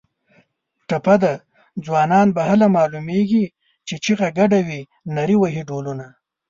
ټپه ده: ځوانان به هله معلومېږي چې چیغه ګډه وي نري وهي ډولونه